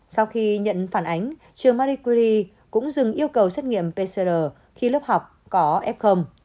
sau khi nhận phản ánh trường mariculi cũng dừng yêu cầu xét nghiệm pcr khi lớp học có f